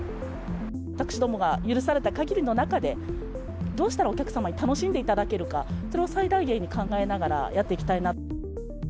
私どもが許されたかぎりの中で、どうしたらお客様に楽しんでいただけるか、それを最大限に考えながらやっていきたいな。